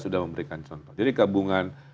sudah memberikan contoh jadi gabungan